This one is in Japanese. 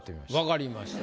わかりました。